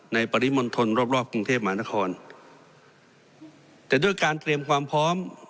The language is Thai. ปริมณฑลรอบรอบกรุงเทพมหานครแต่ด้วยการเตรียมความพร้อม